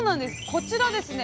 こちらですね